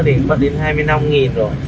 thì bất đến hai mươi năm rồi